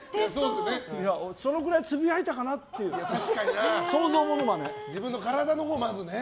そのくらいつぶやいたかなって自分の体のほうをね。